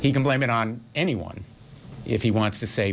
ตอนนี้ก็จะเป็นที่มือต้องยังไง